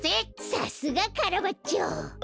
さすがカラバッチョ。